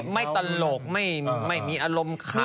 ไม่ตลกไม่มีอารมณ์คัน